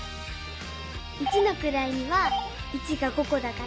一のくらいには１が５こだから５。